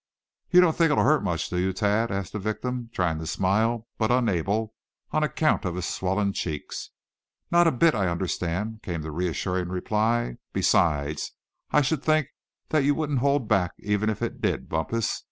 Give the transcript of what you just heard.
"You don't think it'll hurt much, do you, Thad?" asked the victim, trying to smile, but unable, on account of his swollen cheeks. "Not a bit, I understand," came the reassuring reply. "Besides, I should think that you wouldn't hold back, even if it did, Bumpus.